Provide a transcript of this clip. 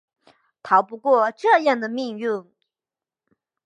逃不过这样的命运